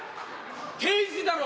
刑事だろ！